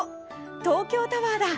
東京タワーだ！